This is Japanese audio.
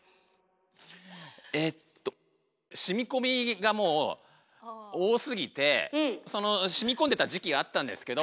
えっとしみこみがもう多すぎてそのしみこんでた時期あったんですけど